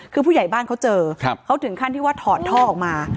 คือผู้ใหญ่บ้านเขาเจอเขาถึงขั้นที่ว่าถอดท่อออกมา